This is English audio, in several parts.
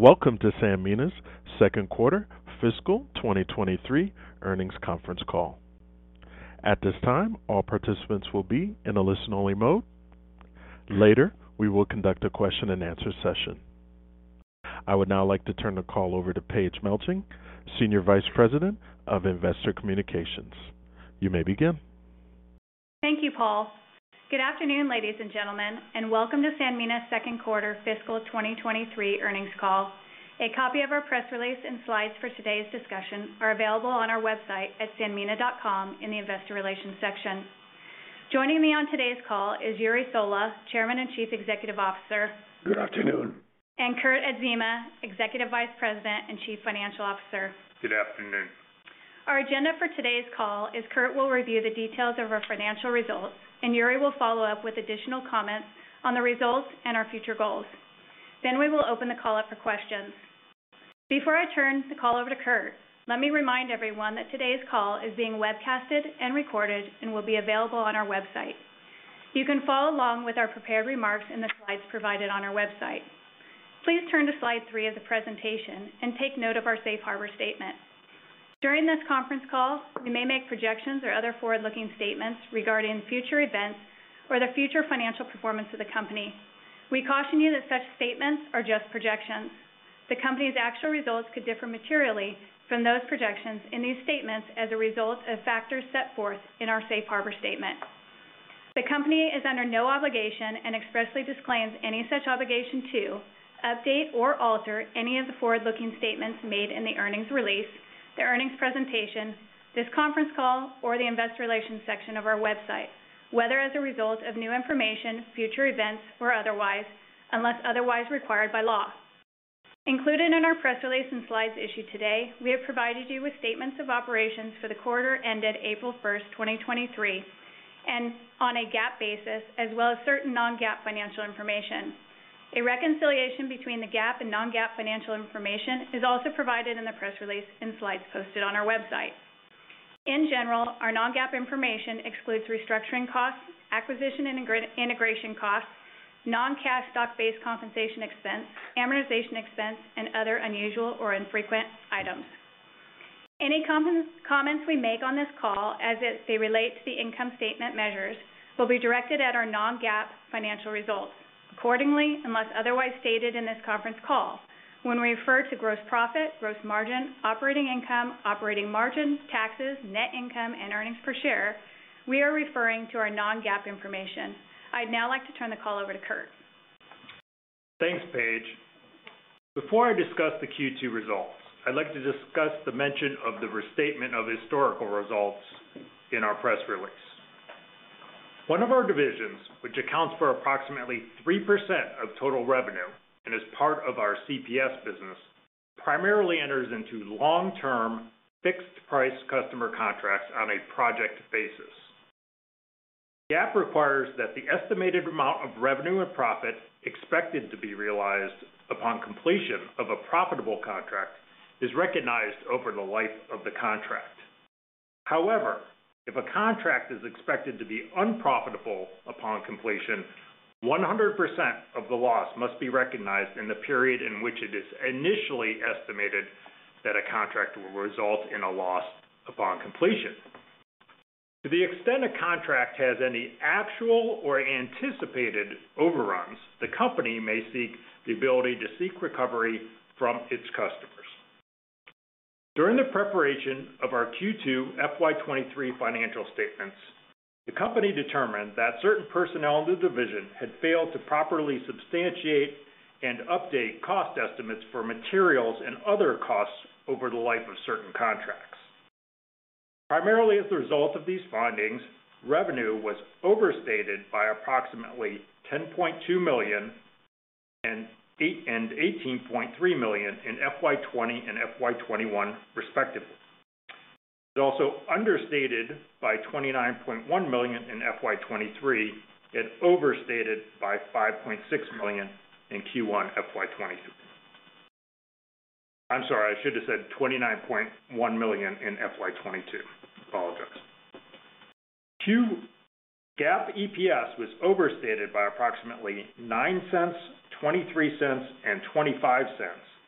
Welcome to Sanmina's second quarter Fiscal 2023 earnings conference call. At this time, all participants will be in a listen-only mode. Later, we will conduct a question-and-answer session. I would now like to turn the call over to Paige Melching, Senior Vice President of Investor Communications. You may begin. Thank you, Paul. Good afternoon, ladies and gentlemen, and welcome to Sanmina's second quarter Fiscal 2023 earnings call. A copy of our press release and slides for today's discussion are available on our website at sanmina.com in the investor relations section. Joining me on today's call is Jure Sola, Chairman and Chief Executive Officer. Good afternoon. Kurt Adzema, Executive Vice President and Chief Financial Officer. Good afternoon. Our agenda for today's call is Kurt will review the details of our financial results, and Jure will follow up with additional comments on the results and our future goals. We will open the call up for questions. Before I turn the call over to Kurt, let me remind everyone that today's call is being webcasted and recorded and will be available on our website. You can follow along with our prepared remarks in the slides provided on our website. Please turn to slide three of the presentation and take note of our Safe Harbor statement. During this conference call, we may make projections or other forward-looking statements regarding future events or the future financial performance of the company. We caution you that such statements are just projections. The company's actual results could differ materially from those projections in these statements as a result of factors set forth in our Safe Harbor statement. The company is under no obligation and expressly disclaims any such obligation to update or alter any of the forward looking statements made in the earnings release, the earnings presentation, this conference call, or the investor relations section of our website, whether as a result of new information, future events, or otherwise, unless otherwise required by law. Included in our press release and slides issued today, we have provided you with statements of operations for the quarter ended April first, 2023, and on a GAAP basis as well as certain non-GAAP financial information. A reconciliation between the GAAP and non-GAAP financial information is also provided in the press release and slides posted on our website. In general, our non-GAAP information excludes restructuring costs, acquisition and integration costs, non-cash stock-based compensation expense, amortization expense, and other unusual or infrequent items. Any comments we make on this call as it relates to the income statement measures will be directed at our non-GAAP financial results. Accordingly, unless otherwise stated in this conference call, when we refer to gross profit, gross margin, operating income, operating margin, taxes, net income, and earnings per share, we are referring to our non-GAAP information. I'd now like to turn the call over to Kurt. Thanks, Paige. Before I discuss the Q2 results, I'd like to discuss the mention of the restatement of historical results in our press release. One of our divisions, which accounts for approximately 3% of total revenue and is part of our CPS business, primarily enters into long-term fixed price customer contracts on a project basis. GAAP requires that the estimated amount of revenue or profit expected to be realized upon completion of a profitable contract is recognized over the life of the contract. However, if a contract is expected to be unprofitable upon completion, 100% of the loss must be recognized in the period in which it is initially estimated that a contract will result in a loss upon completion. To the extent a contract has any actual or anticipated overruns, the company may seek the ability to seek recovery from its customers. During the preparation of our Q2 FY23 financial statements, the company determined that certain personnel in the division had failed to properly substantiate and update cost estimates for materials and other costs over the life of certain contracts. Primarily as a result of these findings, revenue was overstated by approximately $10.2 million and $18.3 million in FY20 and FY21 respectively. It also understated by $29.1 million in FY23. It overstated by $5.6 million in Q1 FY22. I'm sorry, I should have said $29.1 million in FY22. Apologize. GAAP EPS was overstated by approximately $0.09, $0.23, and $0.25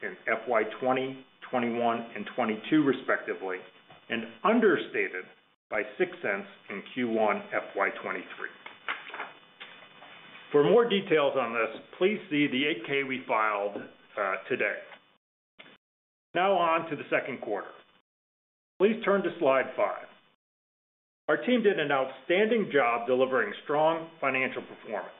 in FY20, 21, and 22 respectively, and understated by $0.06 in Q1 FY23. For more details on this, please see the 8-K we filed today. Now on to the second quarter. Please turn to slide five. Our team did an outstanding job delivering strong financial performance.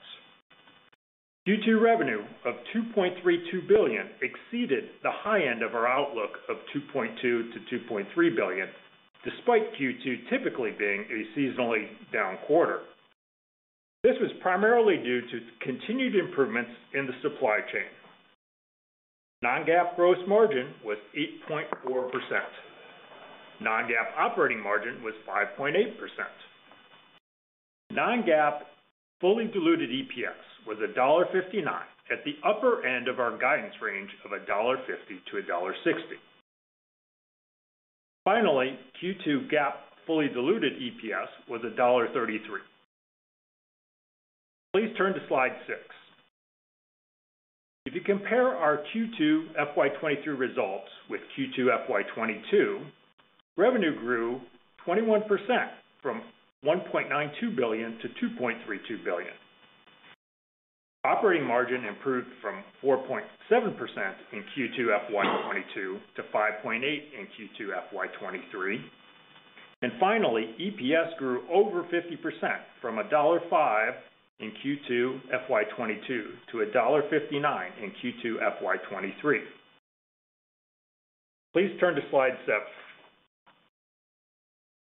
Q2 revenue of $2.32 billion exceeded the high end of our outlook of $2.2 billion-$2.3 billion, despite Q2 typically being a seasonally down quarter. This was primarily due to continued improvements in the supply chain. Non-GAAP gross margin was 8.4%. Non-GAAP operating margin was 5.8%. Non-GAAP fully diluted EPS was $1.59, at the upper end of our guidance range of $1.50-$1.60. Finally, Q2 GAAP fully diluted EPS was $1.33. Please turn to slide six. If you compare our Q2 FY 2023 results with Q2 FY 2022, revenue grew 21% from $1.92 billion to $2.32 billion. Operating margin improved from 4.7% in Q2 FY 2022 to 5.8% in Q2 FY 2023. Finally, EPS grew over 50% from $1.05 in Q2 FY 2022 to $1.59 in Q2 FY 2023. Please turn to slide seven.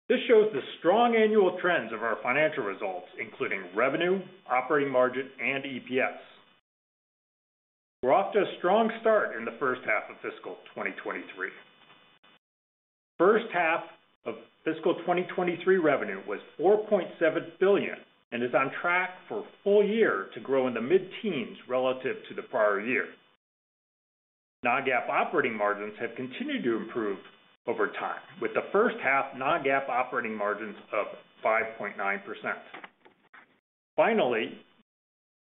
This shows the strong annual trends of our financial results, including revenue, operating margin, and EPS. We're off to a strong start in the first half of Fiscal 2023. First half of Fiscal 2023 revenue was $4.7 billion and is on track for full year to grow in the mid-teens relative to the prior year. Non-GAAP operating margins have continued to improve over time, with the first half non-GAAP operating margins of 5.9%.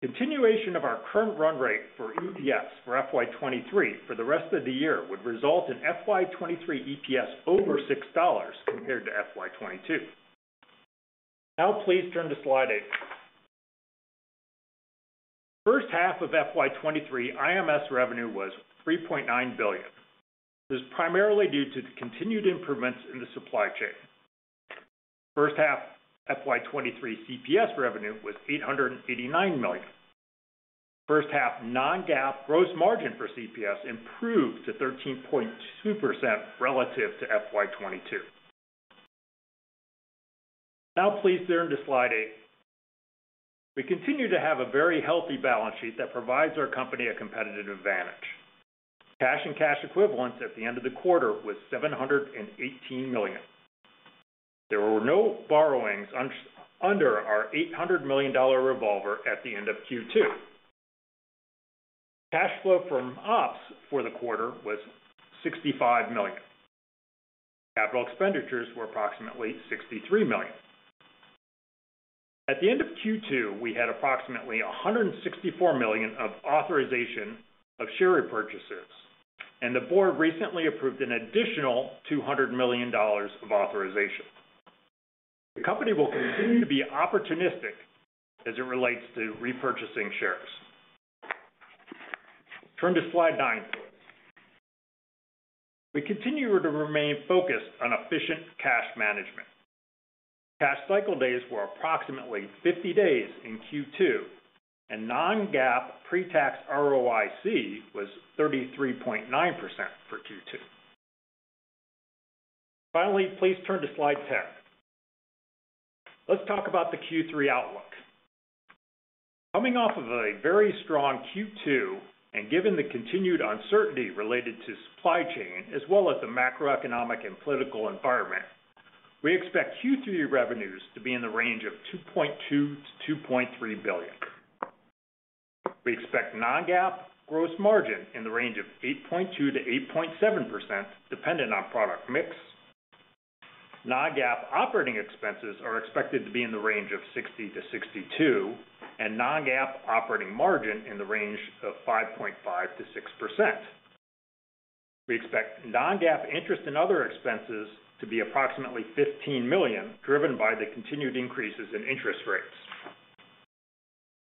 Continuation of our current run rate for EPS for FY23 for the rest of the year would result in FY23 EPS over $6 compared to FY22. Please turn to slide eight. First half of FY23 IMS revenue was $3.9 billion. It was primarily due to the continued improvements in the supply chain. First half FY23 CPS revenue was $889 million. First half non-GAAP gross margin for CPS improved to 13.2% relative to FY22. Please turn to slide eight. We continue to have a very healthy balance sheet that provides our company a competitive advantage. Cash and cash equivalents at the end of the quarter was $718 million. There were no borrowings under our $800 million revolver at the end of Q2. Cash flow from ops for the quarter was $65 million. Capital expenditures were approximately $63 million. At the end of Q2, we had approximately $164 million of authorization of share repurchasers, and the board recently approved an additional $200 million of authorization. The company will continue to be opportunistic as it relates to repurchasing shares. Turn to slide nine please. We continue to remain focused on efficient cash management. Cash cycle days were approximately 50 days in Q2, and non-GAAP pre-tax ROIC was 33.9% for Q2. Finally, please turn to slide 10. Let's talk about the Q3 outlook. Coming off of a very strong Q2 and given the continued uncertainty related to supply chain as well as the macroeconomic and political environment, we expect Q3 revenues to be in the range of $2.2 billion-$2.3 billion. We expect non-GAAP gross margin in the range of 8.2%-8.7% dependent on product mix. Non-GAAP operating expenses are expected to be in the range of $60 million-$62 million, and non-GAAP operating margin in the range of 5.5%-6%. We expect non-GAAP interest in other expenses to be approximately $15 million, driven by the continued increases in interest rates.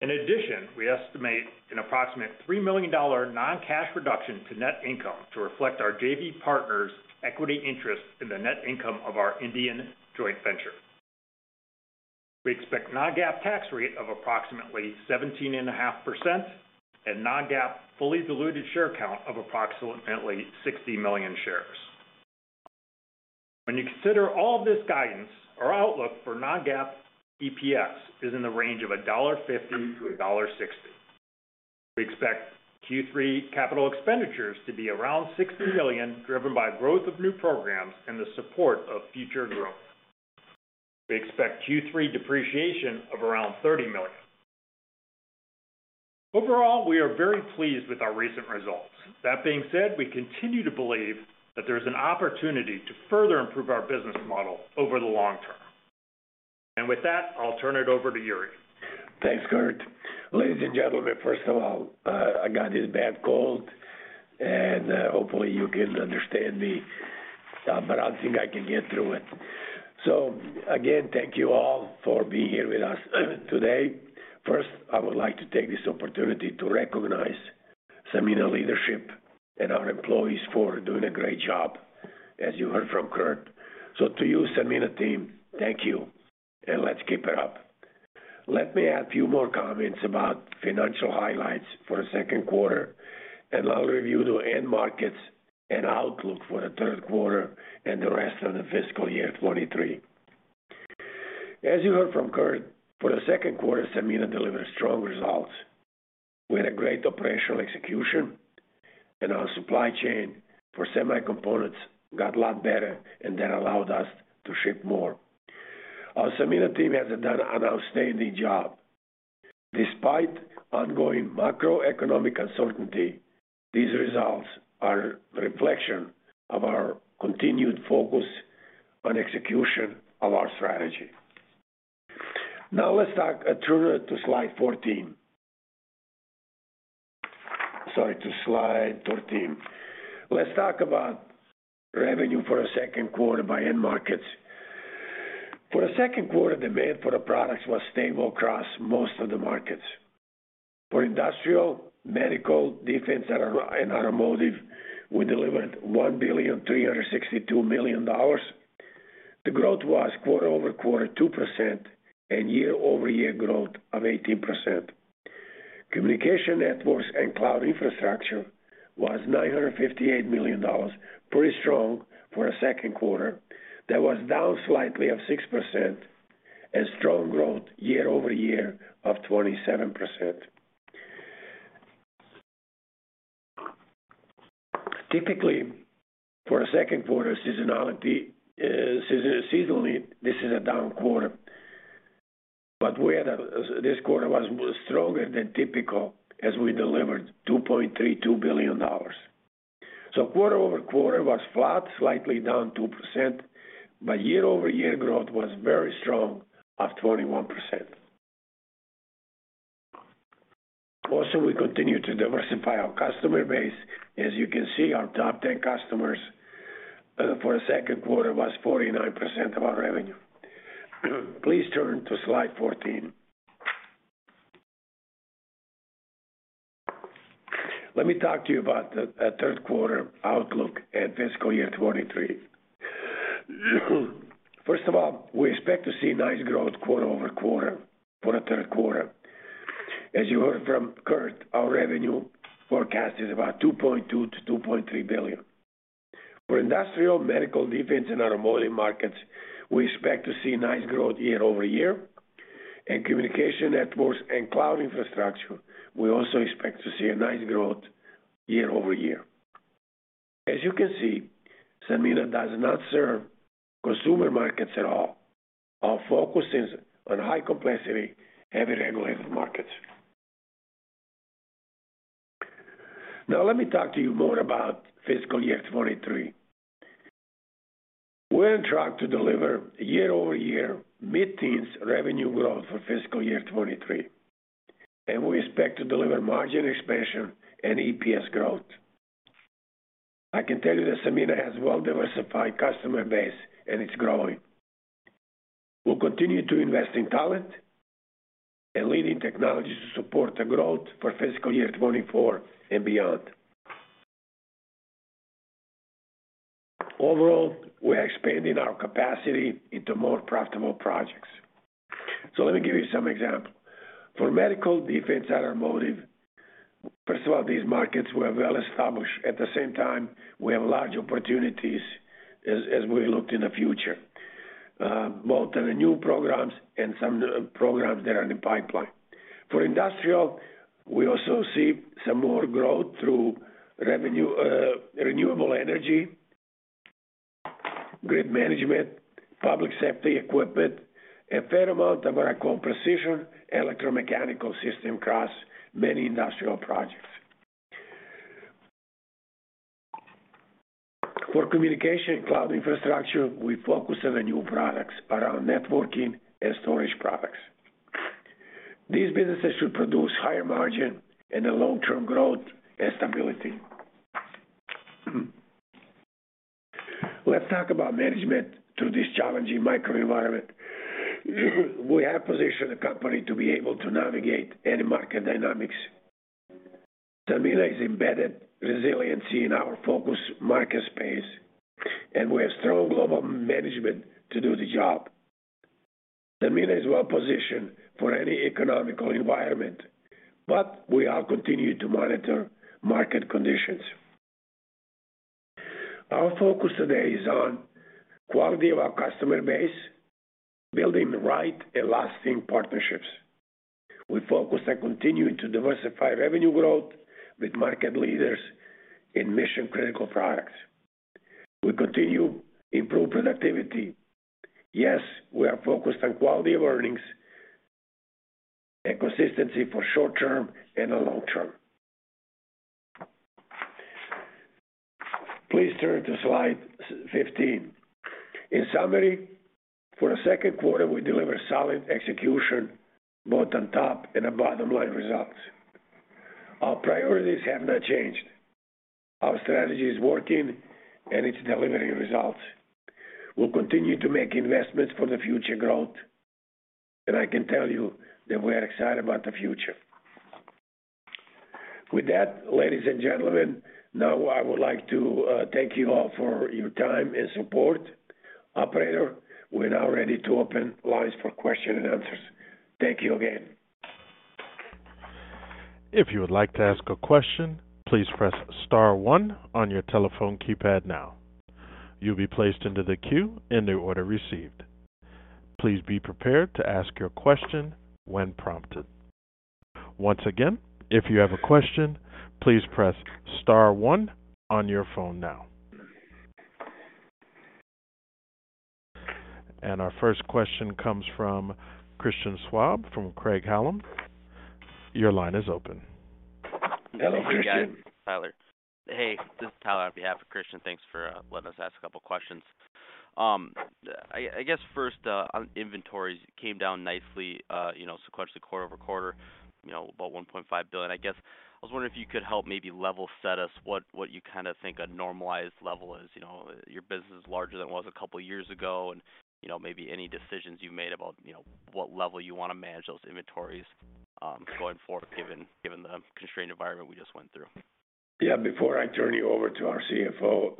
In addition, we estimate an approximate $3 million non-cash reduction to net income to reflect our JV partner's equity interest in the net income of our Indian joint venture. We expect non-GAAP tax rate of approximately 17.5% and non-GAAP fully diluted share count of approximately 60 million shares. When you consider all this guidance, our outlook for non-GAAP EPS is in the range of $1.50-$1.60. We expect Q3 capital expenditures to be around $60 million, driven by growth of new programs and the support of future growth. We expect Q3 depreciation of around $30 million. Overall, we are very pleased with our recent results. That being said, we continue to believe that there's an opportunity to further improve our business model over the long term. With that, I'll turn it over to Jure. Thanks, Kurt. Ladies and gentlemen, first of all, I got this bad cold and hopefully you can understand me, but I think I can get through it. Again, thank you all for being here with us today. First, I would like to take this opportunity to recognize Sanmina leadership and our employees for doing a great job, as you heard from Kurt. To you, Sanmina team, thank you, and let's keep it up. Let me add few more comments about financial highlights for the second quarter, and I'll review the end markets and outlook for the third quarter and the rest of the Fiscal year 23. As you heard from Kurt, for the second quarter, Sanmina delivered strong results. We had a great operational execution, and our supply chain for semi components got a lot better, and that allowed us to ship more. Our Sanmina team has done an outstanding job. Despite ongoing macroeconomic uncertainty, these results are a reflection of our continued focus on execution of our strategy. Let's talk, turn to slide 14. Sorry, to slide 13. Let's talk about revenue for the second quarter by end markets. For the second quarter, demand for the products was stable across most of the markets. For industrial, medical, defense, and automotive, we delivered $1.362 billion. The growth was quarter-over-quarter 2% and year-over-year growth of 18%. Communication networks and cloud infrastructure was $958 million, pretty strong for a second quarter. That was down slightly of 6% and strong growth year-over-year of 27%. Typically, for a second quarter seasonality, seasonally, this is a down quarter. We had a... This quarter was stronger than typical as we delivered $2.32 billion. Quarter-over-quarter was flat, slightly down 2%, but year-over-year growth was very strong of 21%. Also, we continue to diversify our customer base. As you can see, our top 10 customers for the second quarter was 49% of our revenue. Please turn to slide 14. Let me talk to you about the third quarter outlook and Fiscal year 2023. First of all, we expect to see nice growth quarter-over-quarter for the third quarter. As you heard from Kurt, our revenue forecast is about $2.2 billion-$2.3 billion. For industrial, medical, defense, and automotive markets, we expect to see nice growth year-over-year. In communication networks and cloud infrastructure, we also expect to see a nice growth year-over-year. As you can see, Sanmina does not serve consumer markets at all. Our focus is on high complexity, heavy regulated markets. Let me talk to you more about fiscal year 2023. We're on track to deliver year-over-year mid-teens revenue growth for Fiscal year 2023, and we expect to deliver margin expansion and EPS growth. I can tell you that Sanmina has well-diversified customer base, and it's growing. We'll continue to invest in talent and leading technologies to support the growth for Fiscal year 2024 and beyond. Overall, we are expanding our capacity into more profitable projects. Let me give you some example. For medical, defense, and automotive, first of all, these markets were well established. At the same time, we have large opportunities as we look in the future, both the new programs and some programs that are in the pipeline. For industrial, we also see some more growth through revenue, renewable energy, grid management, public safety equipment, a fair amount of what I call precision electromechanical system across many industrial projects. For communication, cloud infrastructure, we focus on the new products around networking and storage products. These businesses should produce higher margin and a long-term growth and stability. Let's talk about management through this challenging macroenvironment. We have positioned the company to be able to navigate any market dynamics. Sanmina is embedded resiliency in our focus market space, and we have strong global management to do the job. Sanmina is well positioned for any economical environment, but we are continuing to monitor market conditions. Our focus today is on quality of our customer base, building the right and lasting partnerships. We focus on continuing to diversify revenue growth with market leaders in mission-critical products. We continue improve productivity. We are focused on quality of earnings and consistency for short-term and the long term. Please turn to slide 15. In summary, for the second quarter, we delivered solid execution both on top and the bottom-line results. Our priorities have not changed. Our strategy is working, and it's delivering results. We'll continue to make investments for the future growth, and I can tell you that we are excited about the future. With that, ladies and gentlemen, now I would like to thank you all for your time and support. Operator, we're now ready to open lines for question and answers. Thank you again. If you would like to ask a question, please press star one on your telephone keypad now. You'll be placed into the queue in the order received. Please be prepared to ask your question when prompted. Once again, if you have a question, please press star one on your phone now. Our first question comes from Christian Schwab from Craig-Hallum. Your line is open. Hello, Christian. Hey, this is Tyler on behalf of Christian. Thanks for letting us ask a couple questions. I guess first, on inventories came down nicely, you know, sequentially quarter-over-quarter, you know, about $1.5 billion. I guess I was wondering if you could help maybe level set us what you kinda think a normalized level is. You know, your business is larger than it was a couple years ago and, you know, maybe any decisions you made about, you know, what level you wanna manage those inventories going forward, given the constrained environment we just went through. Yeah. Before I turn you over to our CFO,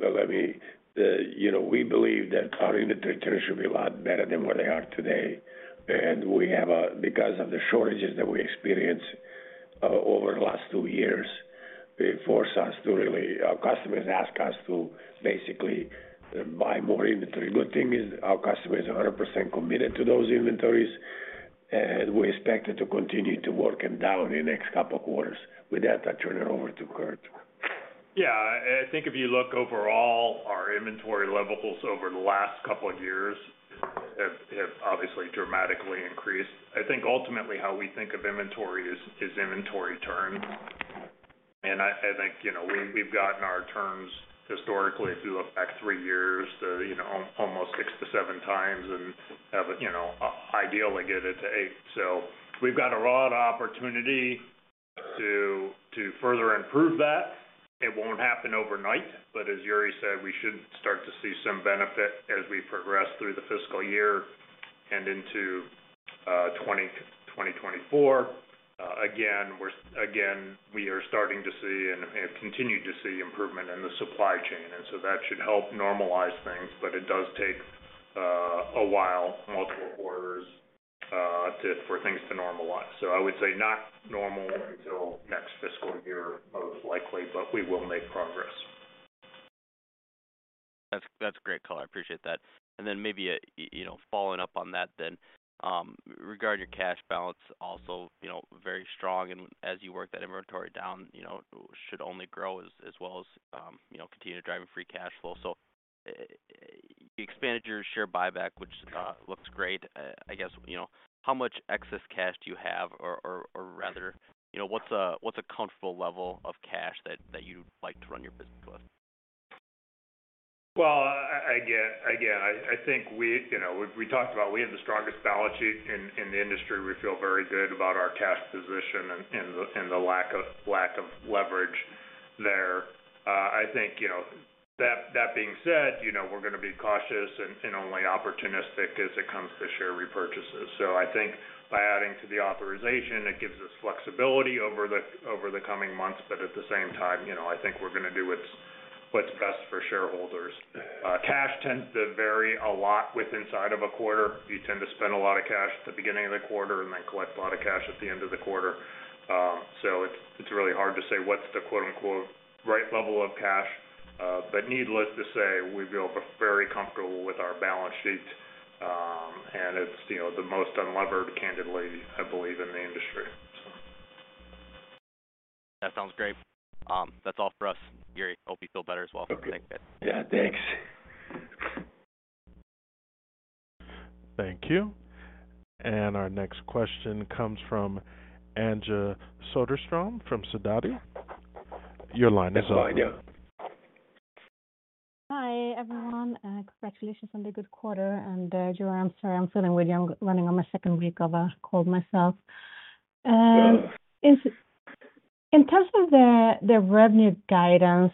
you know, we believe that our inventories should be a lot better than where they are today. Because of the shortages that we experienced over the last two years, Our customers asked us to basically buy more inventory. Good thing is our customers are 100% committed to those inventories, and we expect it to continue to work them down in the next couple of quarters. With that, I turn it over to Kurt. Yeah. I think if you look overall, our inventory levels over the last couple of years have obviously dramatically increased. I think ultimately how we think of inventory is inventory turn. I think, you know, we've gotten our terms historically if you look back three years to, you know, almost six to seven times and have a, you know, ideally get it to eight. We've got a lot of opportunity to further improve that. It won't happen overnight, but as Yuri said, we should start to see some benefit as we progress through the fiscal year and into 2024. Again, we are starting to see and continue to see improvement in the supply chain, that should help normalize things. It does take, a while, multiple quarters, for things to normalize. I would say not normal until next fiscal year, most likely, but we will make progress. That's great, Kurt. I appreciate that. Maybe, you know, following up on that then, regarding your cash balance also, you know, very strong, and as you work that inventory down, you know, should only grow as well as, you know, continue to drive a free cash flow. Expanded your share buyback, which looks great. I guess, you know, how much excess cash do you have, or rather, you know, what's a comfortable level of cash that you'd like to run your business with? Well, again, I think we, you know, we talked about we have the strongest balance sheet in the industry. We feel very good about our cash position and the lack of leverage there. I think, you know, that being said, you know, we're gonna be cautious and only opportunistic as it comes to share repurchases. I think by adding to the authorization, it gives us flexibility over the coming months, but at the same time, you know, I think we're gonna do what's best for shareholders. Cash tends to vary a lot with inside of a quarter. You tend to spend a lot of cash at the beginning of the quarter and then collect a lot of cash at the end of the quarter. It's really hard to say what's the, quote-unquote, "right level of cash." Needless to say, we feel very comfortable with our balance sheet, and it's, you know, the most unlevered candidly, I believe, in the industry. That sounds great. That's all for us. Jure, hope you feel better as well for next bit. Yeah, thanks. Thank you. Our next question comes from Anja Soderstrom from Sidoti. Your line is open. Anja. Hi, everyone, congratulations on the good quarter. Jure, I'm sorry, I'm running on my second week of a cold myself. In terms of the revenue guidance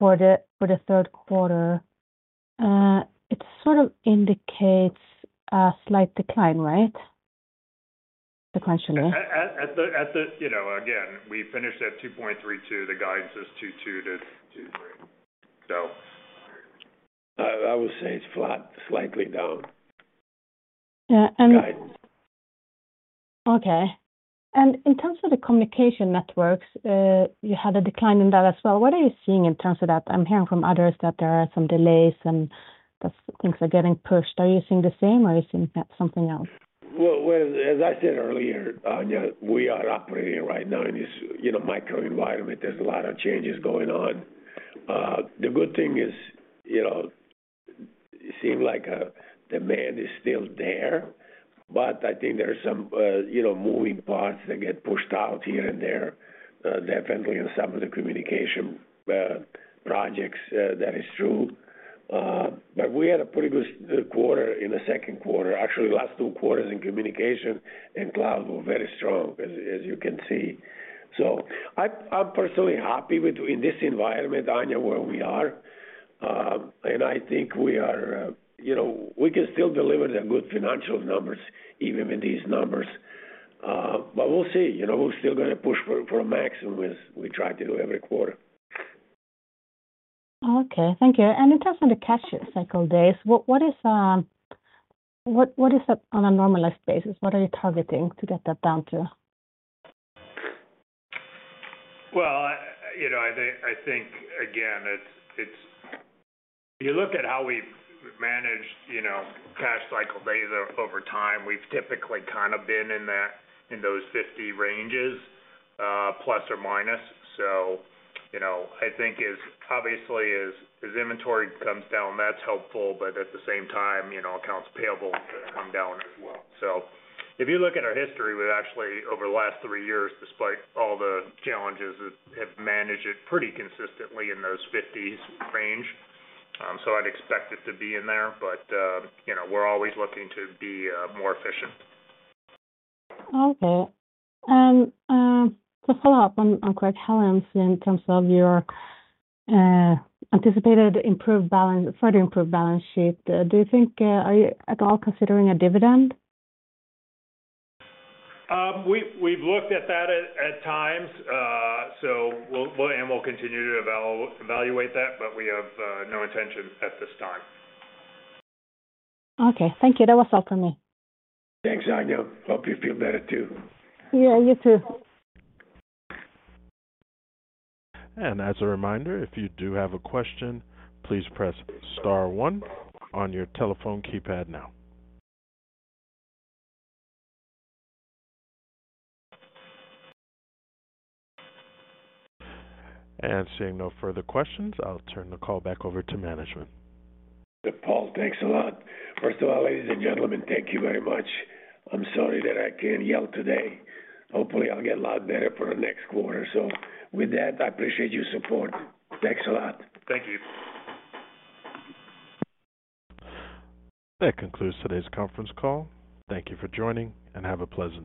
for the third quarter, it sort of indicates a slight decline, right? Sequentially. You know, again, we finished at $2.32. The guidance is $2.20-$2.30. I would say it's flat, slightly down. Yeah. Guidance. Okay. In terms of the communication networks, you had a decline in that as well. What are you seeing in terms of that? I'm hearing from others that there are some delays and that things are getting pushed. Are you seeing the same or are you seeing something else? Well, well, as I said earlier, Anja, we are operating right now in this, you know, macroenvironment. There's a lot of changes going on. The good thing is, you know, it seem like demand is still there, but I think there are some, you know, moving parts that get pushed out here and there, definitely in some of the communication projects, that is true. We had a pretty good quarter in the second quarter. Actually, last two quarters in communication and cloud were very strong as you can see. I'm personally happy with in this environment, Anja, where we are. I think we are, you know, we can still deliver the good financial numbers even with these numbers. We'll see. You know, we're still gonna push for a maximum as we try to do every quarter. Okay, thank you. In terms of the cash cycle days, what is that on a normalized basis? What are you targeting to get that down to? Well, you know, I think, again, it's if you look at how we've managed, you know, cash cycle days over time, we've typically kind of been in those 50 ranges, plus or minus. You know, I think is obviously as inventory comes down, that's helpful, but at the same time, you know, accounts payable come down as well. If you look at our history, we've actually over the last three years, despite all the challenges, have managed it pretty consistently in those 50s range. I'd expect it to be in there. You know, we're always looking to be more efficient. Okay. To follow up on Kurt Adzema in terms of your anticipated further improved balance sheet, do you think, are you at all considering a dividend? We've looked at that at times. We'll continue to evaluate that, but we have no intention at this time. Okay, thank you. That was all for me. Thanks, Anja. Hope you feel better too. Yeah, you too. As a reminder, if you do have a question, please press star one on your telephone keypad now. Seeing no further questions, I'll turn the call back over to management. Paul, thanks a lot. First of all, ladies and gentlemen, thank you very much. I'm sorry that I can't yell today. Hopefully, I'll get a lot better for the next quarter. With that, I appreciate your support. Thanks a lot. Thank you. That concludes today's conference call. Thank you for joining, and have a pleasant day.